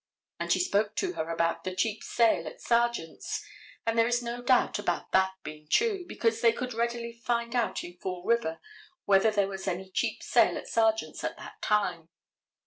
And she spoke to her about the cheap sale at Sargent's, and there is no doubt about that being true, because they could readily find out in Fall River whether there was any cheap sale at Sargent's at that time.